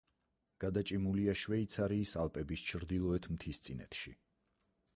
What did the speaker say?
გადაჭიმულია შვეიცარიის ალპების ჩრდილოეთ მთისწინეთში.